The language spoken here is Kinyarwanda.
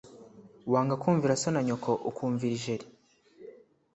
wanga kumvira so na nyoko, ukumvira ijeri